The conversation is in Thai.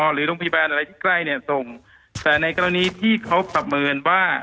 หรือโรงพยาบาลอะไรที่ใกล้เนี่ยส่งแต่ในกรณีที่เขาประเมินว่า